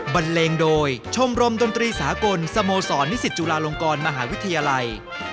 บันเลงโดยชมรมดนตรีสากลสโมสรนิสิตจุฬาลงกรมหาวิทยาลัย